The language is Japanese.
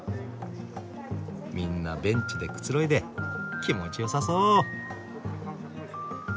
みんなベンチでくつろいで気持ちよさそう。